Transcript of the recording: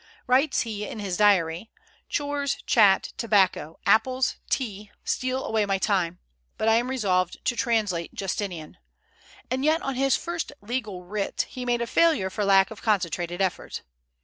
Writes he in his diary, "Chores, chat, tobacco, apples, tea, steal away my time, but I am resolved to translate Justinian;" and yet on his first legal writ he made a failure for lack of concentrated effort.